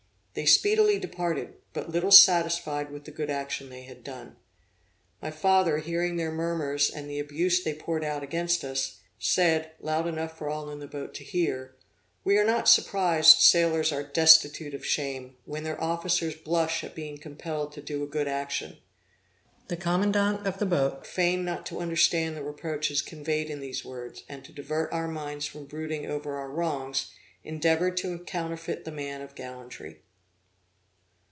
They speedily departed, but little satisfied with the good action they had done. My father hearing their murmurs and the abuse they poured out against us, said, loud enough for all in the boat to hear, 'We are not surprised sailors are destitute of shame, when their officers blush at being compelled to do a good action.' The commandant of the boat feigned not to understand the reproaches conveyed in these words, and, to divert our minds from brooding over our wrongs, endeavored to counterfeit the man of gallantry.